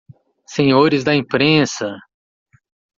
Senhores da Imprensa!